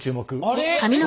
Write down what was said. あれ！